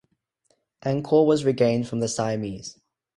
Angkor was regained from the Siamese.